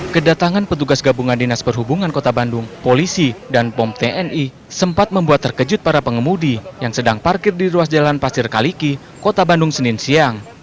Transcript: kedatangan petugas gabungan dinas perhubungan kota bandung polisi dan pom tni sempat membuat terkejut para pengemudi yang sedang parkir di ruas jalan pasir kaliki kota bandung senin siang